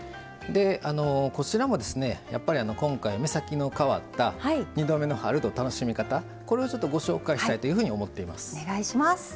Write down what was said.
こちらも今回目先の変わった２度目の春の楽しみ方をご紹介したいと思っています。